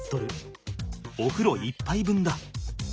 おふろ１ぱい分だ。